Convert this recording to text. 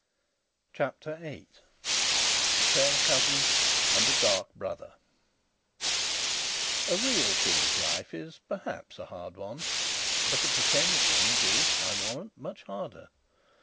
CHAPTER 8 A Fair Cousin and a Dark Brother A real king's life is perhaps a hard one; but a pretended king's is, I warrant, much harder.